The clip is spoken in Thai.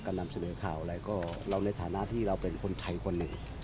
นำเสนอข่าวอะไรก็เราในฐานะที่เราเป็นคนไทยคนหนึ่ง